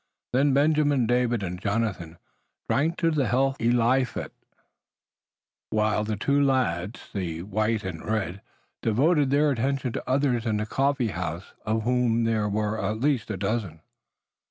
Then Benjamin, David and Jonathan drank to the health of Eliphalet, while the two lads, the white and the red, devoted their attention to the others in the coffee house, of whom there were at least a dozen.